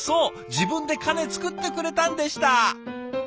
自分で鐘作ってくれたんでした！